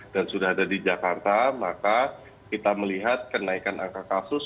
dan sudah ada di jakarta maka kita melihat kenaikan angka kasus